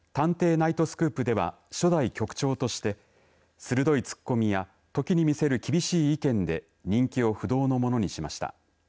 ナイトスクープでは初代局長として鋭いツッコミや時に見せる厳しい意見で人気を不動のものにしました。